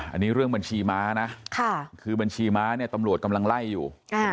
อันนี้เรื่องบัญชีม้านะคือบัญชีม้าเนี่ยตำรวจกำลังไล่อยู่